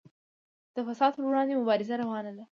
د فساد پر وړاندې مبارزه روانه ده